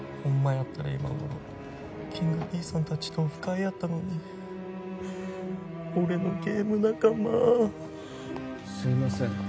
やったら今頃きんぐＰさん達とオフ会やったのに俺のゲーム仲間すいません